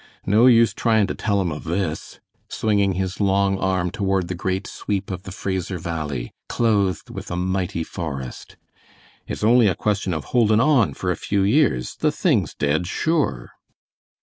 "No use tryin' to tell 'em of this," swinging his long arm toward the great sweep of the Fraser Valley, clothed with a mighty forest. "It's only a question of holdin' on for a few years, the thing's dead sure."